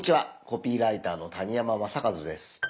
コピーライターの谷山雅計です。